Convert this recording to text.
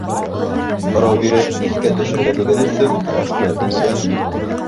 Һорау биреп, иҫкә төшөргәнегеҙ өсөн рәхмәт инде.